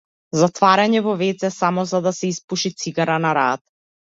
Затворање во вц само за да се испуши цигара на раат.